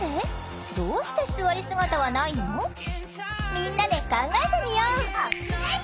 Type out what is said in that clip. みんなで考えてみよう！